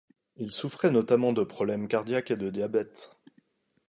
Il souffrait notamment de problèmes cardiaques et de diabète.